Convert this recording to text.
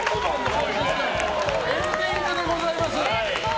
エンディングでございます。